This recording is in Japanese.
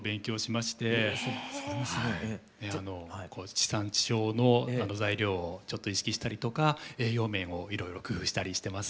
地産地消の材料をちょっと意識したりとか栄養面をいろいろ工夫したりしてます。